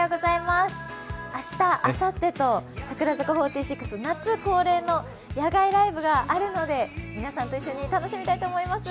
明日、あさってと櫻坂４６、夏恒例の野外ライブがあるので、皆さんと一緒に楽しみたいと思います。